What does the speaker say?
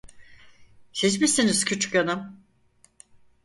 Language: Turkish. Siz misiniz küçükhanım?